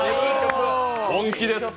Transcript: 本気です。